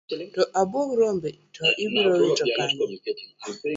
To abuog rombegi to ibiro wit kanye?